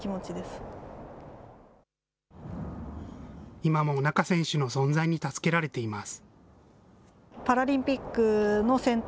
今も仲選手の存在に助けられています。